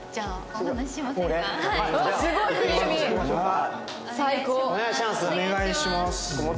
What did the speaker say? お願いします。